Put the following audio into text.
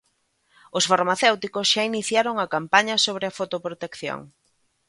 Os farmacéuticos xa iniciaron a campaña sobre a fotoprotección.